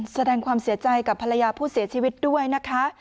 แสดงความเสียใจกับภรรยาผู้เสียชีวิตด้วยนะคะ